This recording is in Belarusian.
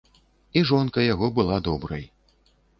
І жонка яго была добрай.